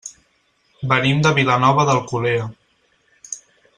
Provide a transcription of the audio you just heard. Venim de Vilanova d'Alcolea.